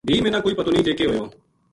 بھی منا کوئی پتو نیہہ جے کے ہویو